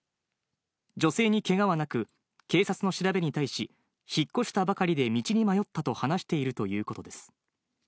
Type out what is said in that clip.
女性にけがはなく、警察の調べに対し、引っ越したばかりで道に迷ったと話しているということです。